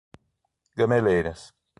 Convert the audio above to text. Gameleiras